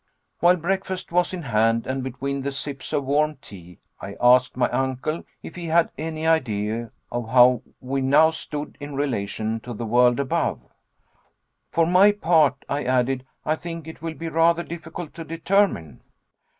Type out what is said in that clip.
While breakfast was in hand, and between the sips of warm tea, I asked my uncle if he had any idea of how we now stood in relation to the world above. "For my part," I added, "I think it will be rather difficult to determine."